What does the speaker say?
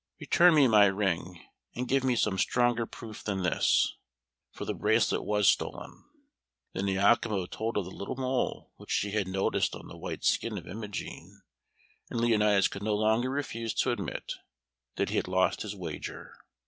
"Return me my ring, and give me some stronger proof than this, for the bracelet was stolen." Then Iachimo told of the little mole which he had noticed on the white skin of Imogen, and Leonatus could no longer refuse to admit that he had lost his wager.